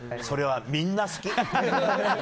それは、みんな好き。